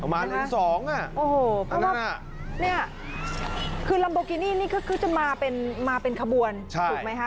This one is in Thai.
เพราะว่านี่คือลัมโบกินี่นี่คือจะมาเป็นขบวนถูกไหมฮะ